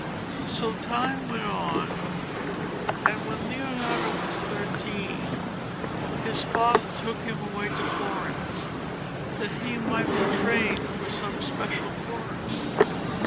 So time went on, and when Leonardo was thirteen his father took him away to Florence that he might begin to be trained for some special work.